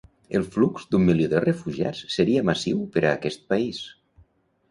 El flux d'un milió de refugiats seria massiu per a aquest país.